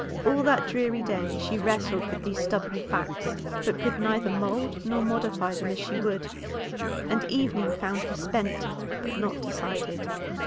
All that dreary day she wrestled with these stubborn facts, but could neither mould nor modify them as she would, and evening found her spent, but not decided.